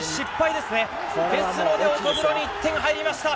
ですので乙黒に１点入りました。